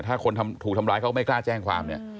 ถ้าคนถูกทำร้ายเขาไม่กล้าแจ้งความเนี่ย